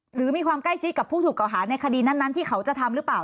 หรือมีความใกล้ชิดกับผู้ถูกเก่าหาในคดีนั้นที่เขาจะทำหรือเปล่า